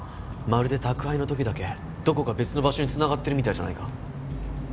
まるで宅配のときだけどこか別の場所につながってるみたいじゃないか？